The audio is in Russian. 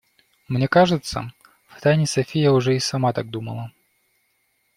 Мне кажется, втайне София уже и сама так думала.